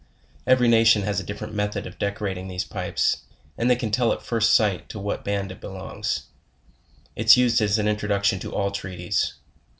Every nation has a different method of decorating these pipes; and they ca.n tell at first sight .to what band it belongs. It is used as an introduction to all treaties.